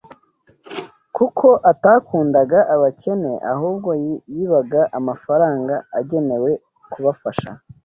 kuko atakundaga abakene ahubwo yibaga amafaranga agenewe kubafasha